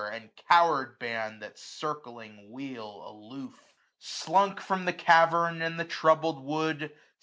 And coward band^ that circling wheel aloof. AUTUMN. 139, Slunk from the caveniy and the troubled wood.